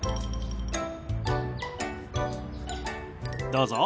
どうぞ。